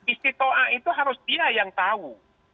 istitoa itu harus dia yang tahu